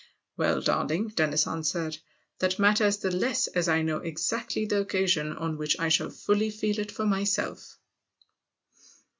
" Well, darling," Dennis answered, " that matters the less as I know exactly the occasion on which I shall fully feel it for myself."